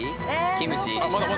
キムチ？